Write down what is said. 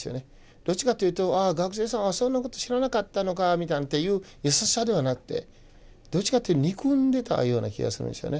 どっちかというとああ学生さんはそんなこと知らなかったのかみたいなという優しさではなくてどっちかというと憎んでたような気がするんですよね。